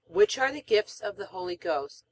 Which are the gifts of the Holy Ghost? A.